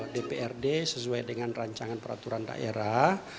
dprd sesuai dengan rancangan peraturan daerah